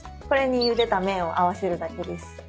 これにゆでた麺を合わせるだけです。